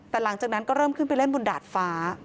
แต่หลังจากนั้นก็เริ่มขึ้นไปเล่นบนดาดฟ้า